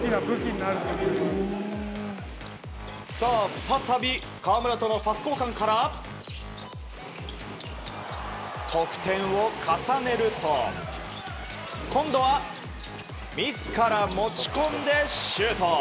再び、河村とのパス交換から得点を重ねると今度は自ら持ち込んでシュート！